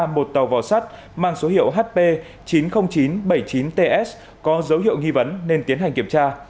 một tàu vỏ sắt mang số hiệu hp chín mươi nghìn chín trăm bảy mươi chín ts có dấu hiệu nghi vấn nên tiến hành kiểm tra